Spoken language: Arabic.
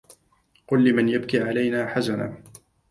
قل لمن يبكي علينا حزنا